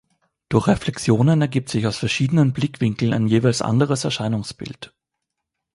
Durch Reflexionen ergibt sich aus verschiedenen Blickwinkeln ein jeweils anderes Erscheinungsbild.